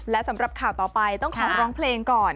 และสำหรับข่าวต่อไปต้องขอร้องเพลงก่อน